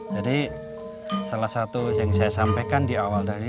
jadi salah satu yang saya sampaikan di awal dari